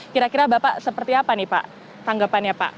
kira kira bapak seperti apa nih pak tanggapannya pak